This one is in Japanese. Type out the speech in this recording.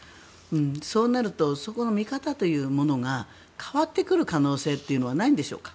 そうなるとそこの見方というものが変わってくる可能性というのはないんでしょうか。